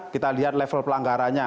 kita lihat level pelanggarannya